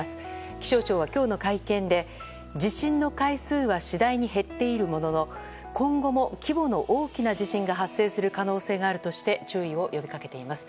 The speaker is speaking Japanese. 気象庁は今日の会見で地震の回数は次第に減っているものの今後も規模の大きな地震が発生する可能性があるとして注意を呼びかけています。